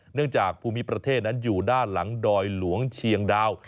จากภูมิประเทศนั้นอยู่ด้านหลังดอยหลวงเชียงดาว